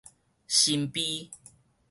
新埤